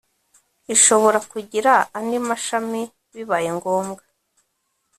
Ishobora kugira andi mashami bibaye ngombwa